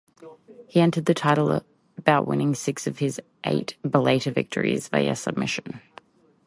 He entered the title bout winning six of his eight Bellator victories via submission.